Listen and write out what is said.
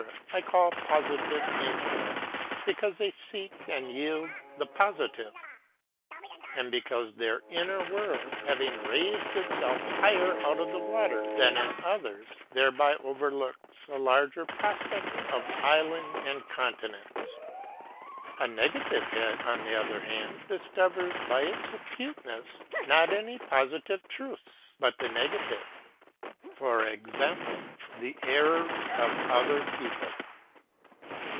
I call positive intellects; because they seek and yield the positive; and because their inner world, having raised itself higher out of the water than in others, thereby overlooks a larger prospect of island and continents. A negative head, on the other hand, discovers by its acuteness not any positive truths, but the negative (i. e. the errors) of other people.